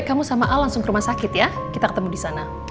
kamu sama a langsung ke rumah sakit ya kita ketemu di sana